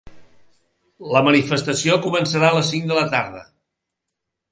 La manifestació començarà a les cinc de la tarda.